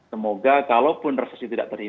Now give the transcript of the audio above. semoga kalaupun resesi tidak terjadi